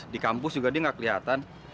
di kampus juga dia gak kelihatan